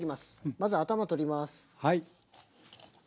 まず頭取ります。